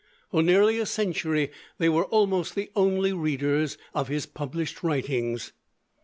For nearly a century they were almost the only readers of his published writings.